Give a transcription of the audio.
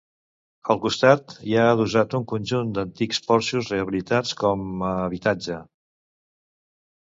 Al costat hi ha, adossat un conjunt d'antics porxos rehabilitats com a habitatge.